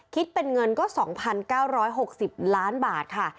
คิดเป็นเงินก็๒๙๖๐ล้านบาทค่ะ